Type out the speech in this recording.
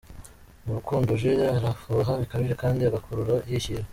Mu rukundo Jules arafuha bikabije kandi agakurura yishyira.